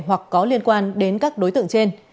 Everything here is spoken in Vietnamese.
hoặc có liên quan đến các đối tượng trên